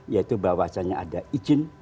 yaitu bahwasannya ada izin